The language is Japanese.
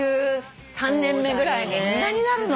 そんなになるの！？